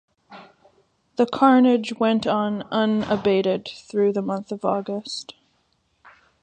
The carnage went on unabated through the month of August.